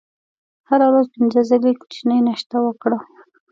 هره ورځ پنځه ځلې کوچنۍ ناشته وکړئ.